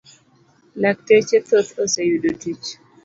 lakteche thoth oseyudo tich.